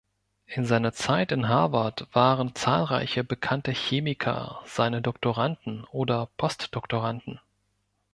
In seiner Zeit in Harvard waren zahlreiche bekannte Chemiker seine Doktoranden oder Postdoktoranden.